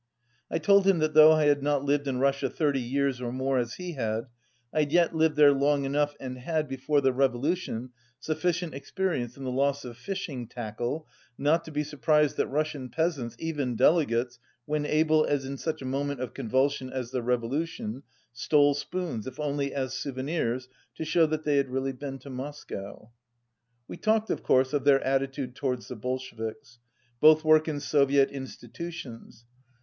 I told him that though I had not lived in Russia thirty years or more, as he had, I had yet lived there long enough and had, before the revolution, sufRcient experience in the loss of fishing tackle, not to be surprised that Russian peasants, even delegates, when able, as in such a moment of convulsion as the revolution, stole spoons if only as souvenirs to show that they had really been to Moscow. We talked, of course, of their attitude towards the Bolsheviks. Both work in Soviet institutions.